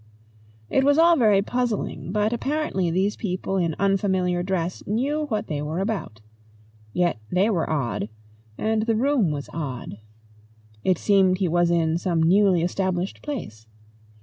It was all very puzzling, but apparently these people in unfamiliar dress knew what they were about. Yet they were odd and the room was odd. It seemed he was in some newly established place.